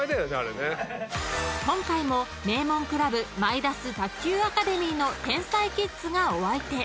［今回も名門クラブマイダス卓球アカデミーの天才キッズがお相手］